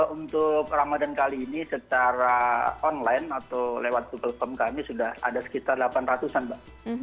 untuk ramadan kali ini secara online atau lewat google form kami sudah ada sekitar delapan ratus an mbak